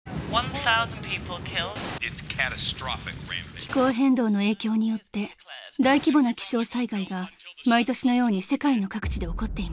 ［気候変動の影響によって大規模な気象災害が毎年のように世界の各地で起こっています］